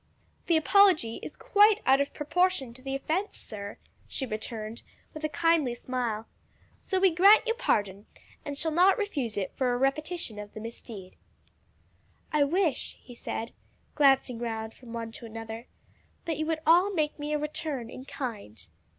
"The apology is quite out of proportion to the offence, sir," she returned, with a kindly smile; "so we grant you pardon, and shall not refuse it for a repetition of the misdeed." "I wish," he said, glancing round from one to another, "that you would all make me a return in kind.